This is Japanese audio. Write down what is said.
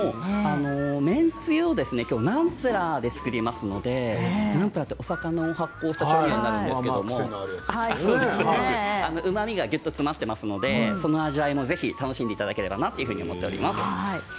麺つゆをナムプラーで作りますのでナムプラーはお魚を発酵しているんですけれどうまみがぎゅっと詰まっていますのでその味わいも楽しんでいただければと思います。